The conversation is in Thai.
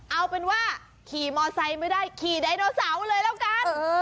เอาเป็นว่าขี่มอไซค์ไม่ได้ขี่ไดโนเสาร์เลยแล้วกัน